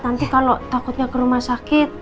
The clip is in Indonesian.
nanti kalau takutnya ke rumah sakit